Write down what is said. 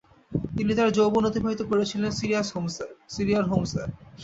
তিনি তার যৌবন অতিবাহিত করেছিলেন সিরিয়ার হোমসে।